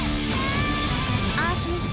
安心して。